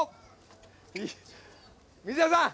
水谷さん。